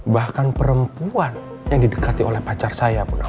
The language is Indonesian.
bahkan perempuan yang didekati oleh pacar saya bu nawang